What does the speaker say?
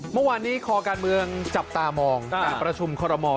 เมื่อวานนี้คอการเมืองจับตามองการประชุมคอรมอล